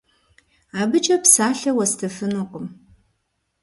Абыкӏэ псалъэ уэстыфынукъым.